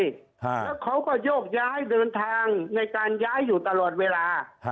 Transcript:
แล้วเขาก็โยกย้ายเดินทางในการย้ายอยู่ตลอดเวลา